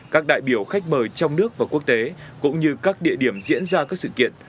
các đại biểu khách mời trong nước và quốc tế cũng như các địa điểm diễn ra các sự kiện